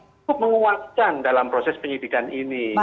untuk menguaskan dalam proses penyidikan ini